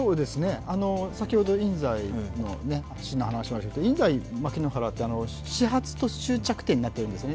先ほど印西市の話が出ましたけど、印西牧の原駅って始発と終着点になっているんですよね。